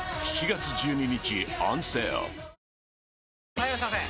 ・はいいらっしゃいませ！